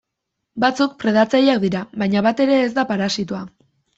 Batzuk predatzaileak dira, baina bat ere ez da parasitoa.